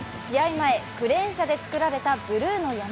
前、クレーン車で作られたブルーの山。